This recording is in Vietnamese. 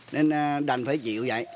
nên đành phải chịu